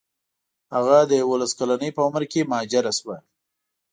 هغه د یوولس کلنۍ په عمر کې مهاجره شوه.